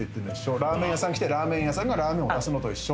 ラーメン屋さん来てラーメン屋さんがラーメンを出すのと一緒。